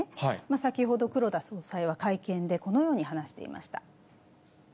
先ほど、黒田総裁は会見でこのように話していました。